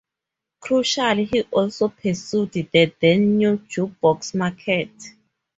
Crucially, he also pursued the then-new jukebox market.